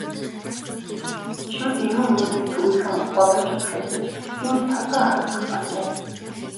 Шүд эрүү нүүрний төвийнхөн гудамжинд хаягдаж, энд толгой хоргодох болжээ.